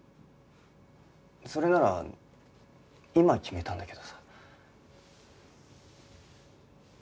それなら今決めたんだけどさ。